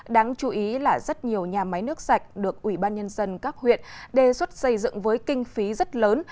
đáng chú ý là rất nhiều nhà máy nước sạch được ủy ban nhân dân các huyện đề xuất xây dựng với kinh phí rất lớn